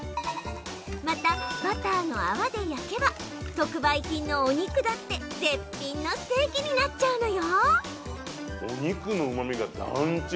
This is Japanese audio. また、バターの泡で焼けば特売品のお肉だって絶品のステーキになっちゃうのよ。